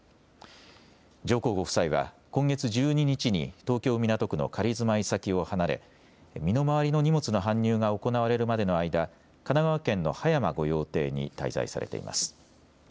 上皇ご夫妻は今月１２日に東京港区の仮住まい先を離れ身の回りの荷物の搬入が行われるまでの間、神奈川県の葉山御用邸に滞在されています。